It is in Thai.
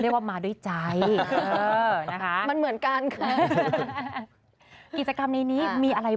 บอกที่เราฟังน้อย